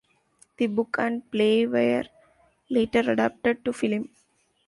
The book and play were later adapted to film.